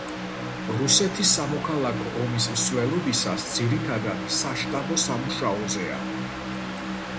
რუსეთის სამოქალაქო ომის მსვლელობისას ძირითადად საშტაბო სამუშაოზეა.